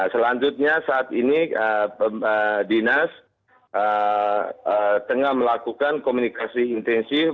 selanjutnya saat ini dinas tengah melakukan komunikasi intensif